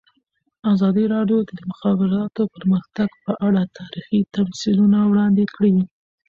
ازادي راډیو د د مخابراتو پرمختګ په اړه تاریخي تمثیلونه وړاندې کړي.